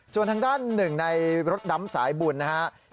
ส่วนทางด้านหนึ่งในรถดำสายบุญนะครับ